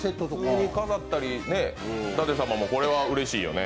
普通に飾ったり、舘様もこれはうれしいよね。